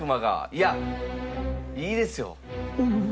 いやいいですよ。